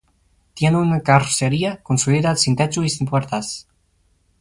Tiene una carrocería construida sin techo y sin puertas.